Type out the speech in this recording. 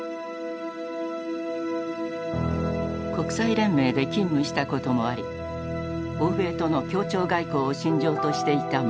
国際連盟で勤務したこともあり欧米との協調外交を信条としていた松田。